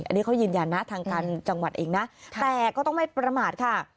อันนี้เขายืนยันนะทางการจังหวัดเองนะแต่ก็ต้องไม่ประมาทค่ะ